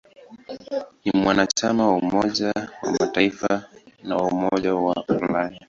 Ni mwanachama wa Umoja wa Mataifa na wa Umoja wa Ulaya.